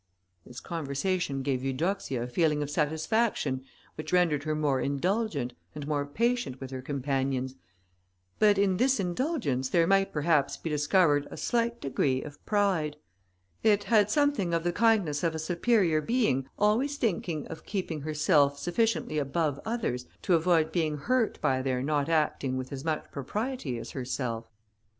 This conversation gave Eudoxia a feeling of satisfaction which rendered her more indulgent, and more patient with her companions; but in this indulgence there might perhaps be discovered a slight degree of pride; it had something of the kindness of a superior being always thinking of keeping herself sufficiently above others to avoid being hurt by their not acting with as much propriety as herself.